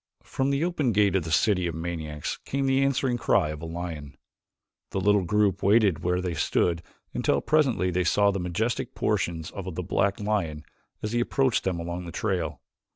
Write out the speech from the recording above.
From the open gate of the city of maniacs came the answering cry of a lion. The little group waited where they stood until presently they saw the majestic proportions of the black lion as he approached them along the trail.